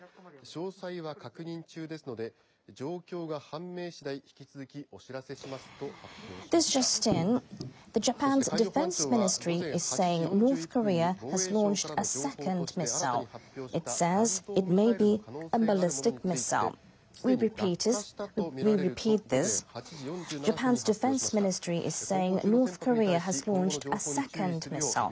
詳細は確認中ですので状況が判明しだい引き続きお知らせしますと発表しました。